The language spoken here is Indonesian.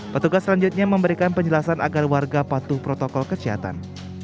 petugas selanjutnya memberikan penjelasan agar warga patuh protokol kesehatan